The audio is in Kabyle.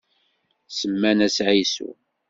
Semman-as Ɛisu.